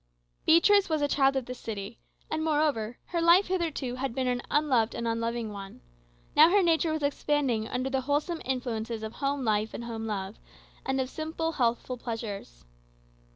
Beatrix was a child of the city; and, moreover, her life hitherto had been an unloved and unloving one. Now her nature was expanding under the wholesome influences of home life and home love, and of simple healthful pleasures.